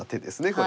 これ。